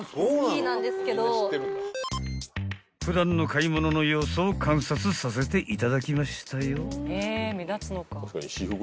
［普段の買い物の様子を観察させていただきましたよ］